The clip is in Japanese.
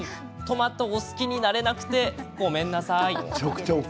トマトを好きになれなくてゴメンなさい。」